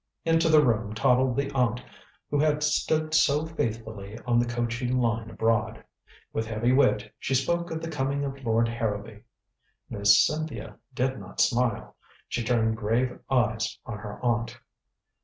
Into the room toddled the aunt who had stood so faithfully on the coaching line abroad. With heavy wit, she spoke of the coming of Lord Harrowby. Miss Cynthia did not smile. She turned grave eyes on her aunt.